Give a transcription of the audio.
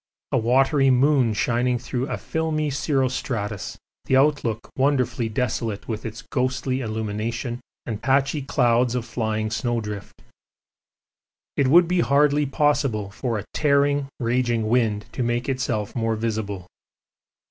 A watery moon shining through a filmy cirrostratus the outlook wonderfully desolate with its ghostly illumination and patchy clouds of flying snow drift. It would be hardly possible for a tearing, raging wind to make itself more visible.